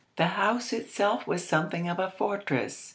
The house itself was something of a fortress.